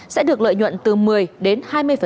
sẽ được lợi nhuận từ một mươi đến hai mươi